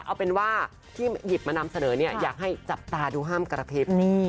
เอาเป็นว่าที่หยิบมานำเสนอเนี่ยอยากให้จับตาดูห้ามกระพริบ